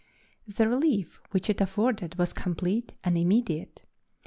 The relief which it afforded was complete and immediate.